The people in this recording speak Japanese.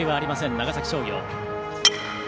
長崎商業。